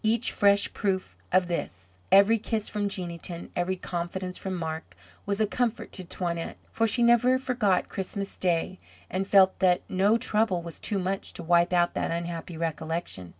Each fresh proof of this, every kiss from Jeanneton, every confidence from Marc, was a comfort to Toinette, for she never forgot Christmas Day, and felt that no trouble was too much to wipe out that unhappy recollection.